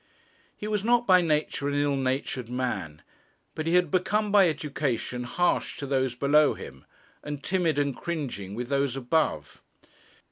He was not by nature an ill natured man, but he had become by education harsh to those below him, and timid and cringing with those above.